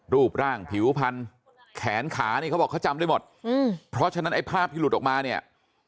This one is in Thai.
รูปร่างผิวพันแขนขานี่เขาบอกเขาจำได้หมดอืมเพราะฉะนั้นไอ้ภาพที่หลุดออกมาเนี่ย